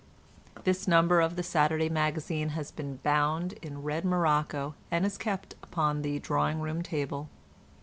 This number of the Saturday Magazine has been bound in red morocco, and is kept upon the drawing room table.